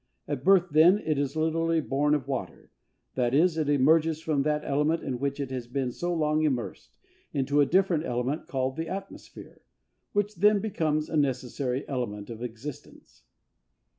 At birth, then, it is literally born of water, that is, it emerges from that element in which it has been so long immersed, into a different element, called the atmosphere, which then becomes a necessary element of existence.